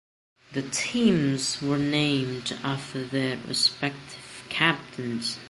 The teams were named after their respective captains.